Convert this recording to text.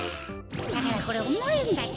だからこれおもいんだって。